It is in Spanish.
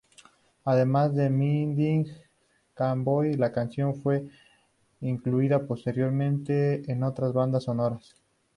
Además de en "Midnight Cowboy", la canción fue incluida posteriormente en otras bandas sonoras.